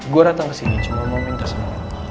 gue datang kesini cuma mau minta sama lu